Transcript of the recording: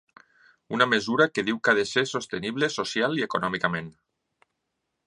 Una mesura que diu que ha de ser sostenible social i econòmicament.